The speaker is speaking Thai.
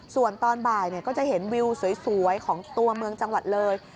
ส่วนตอนบ่ายก็จะเห็นวิวสวยของตัวเมืองจังหวัดเลย